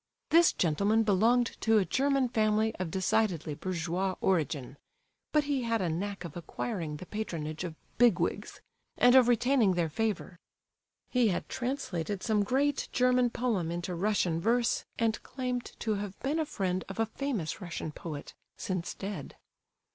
This gentleman belonged to a German family of decidedly bourgeois origin, but he had a knack of acquiring the patronage of "big wigs," and of retaining their favour. He had translated some great German poem into Russian verse, and claimed to have been a friend of a famous Russian poet, since dead.